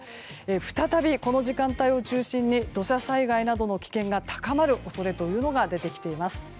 再び、この時間帯を中心に土砂災害などの危険が高まる恐れが出てきています。